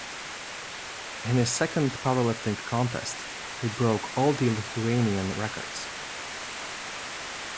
In his second powerlifting contest, he broke all the Lithuanian records.